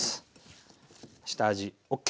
下味ＯＫ。